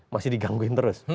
masih digangguin terus